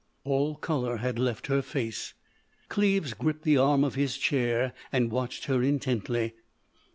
All colour had left her face. Cleves gripped the arm of his chair and watched her intently.